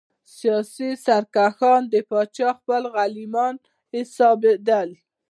سیاسي سرکښان د پاچا خپل غلیمان حسابېدل.